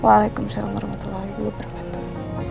waalaikumsalam warahmatullahi wabarakatuh